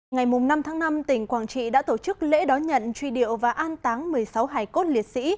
ngày năm tháng năm tỉnh quảng trị đã tổ chức lễ đón nhận truy điệu và an táng một mươi sáu hải cốt liệt sĩ